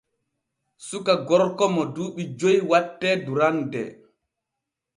Suka gorko mo duuɓi joy wattee durande.